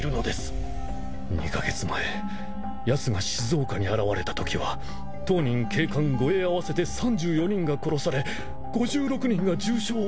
２カ月前やつが静岡に現れたときは当人警官護衛合わせて３４人が殺され５６人が重傷を負わされました。